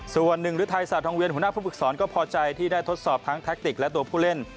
ส่วนหนึ่งฤทัยศาสตทองเวียนหัวหน้าผู้ฝึกศรก็พอใจที่ได้ทดสอบทั้งแท็กติกและตัวผู้เล่น